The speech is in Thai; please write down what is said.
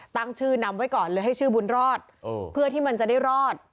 ตั้งชื่อนำไว้ก่อนเลยให้ชื่อบุญรอดเพื่อที่มันจะได้รอด